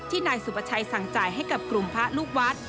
นายสุประชัยสั่งจ่ายให้กับกลุ่มพระลูกวัด